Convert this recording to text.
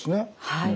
はい。